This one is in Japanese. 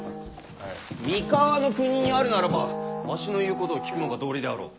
三河国にあるならばわしの言うことを聞くのが道理であろう。